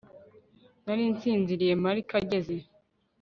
Nari nsinziriye Mark ageze